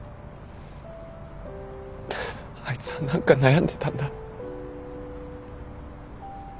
あいつは何か悩んでたんだ。